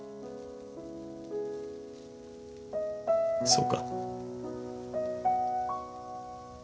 そうか。